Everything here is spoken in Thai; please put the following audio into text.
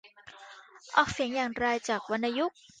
ออกเสียงอย่างไรจากวรรณยุกต์